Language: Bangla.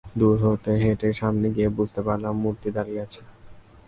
দূর হতে হেঁটে সামনে গিয়ে বুঝতে পারলাম মূর্তি দাঁড়িয়ে আছে।